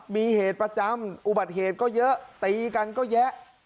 มีเหตุประจำอุบัติเหตุก็เยอะตีกันก็แยะ